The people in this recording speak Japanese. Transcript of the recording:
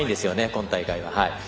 今大会は。